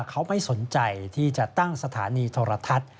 เขาไม่สนใจที่จะตั้งสถานีโทรทัศน์